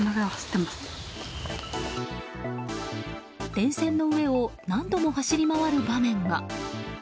電線の上を何度も走り回る場面が。